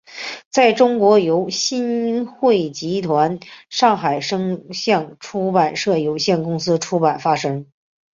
在中国由新汇集团上海声像出版社有限公司出版发行。